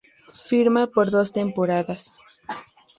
Firma por dos temporadas.